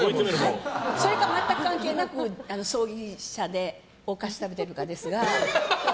それか全く関係なく葬儀社でお菓子食べてるかですが。